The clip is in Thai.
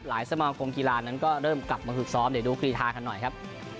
สมาคมกีฬานั้นก็เริ่มกลับมาฝึกซ้อมเดี๋ยวดูกรีธากันหน่อยครับ